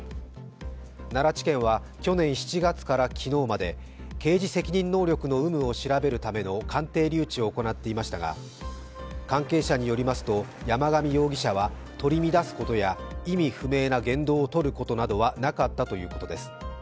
奈良地検は去年７月から昨日まで刑事責任能力の有無を調べるための鑑定留置を行っていましたが関係者によりますと山上容疑者は取り乱すことや意味不明な言動をとることなどはなかったということです。